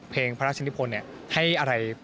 เพลงพระราชนิพลให้อะไร